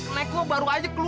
nek lo baru aja kembali